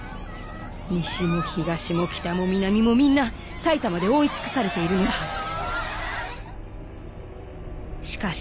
西も東も北も南もみんな埼玉で覆い尽くされているのだ。